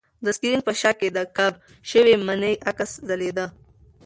د سکرین په شاه کې د کپ شوې مڼې عکس ځلېده.